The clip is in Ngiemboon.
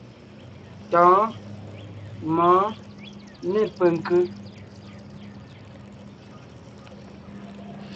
Tɔ̌ɔn, mɔ̌ɔn, nê penkʉ́.